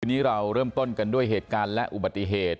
ทีนี้เราเริ่มต้นกันด้วยเหตุการณ์และอุบัติเหตุ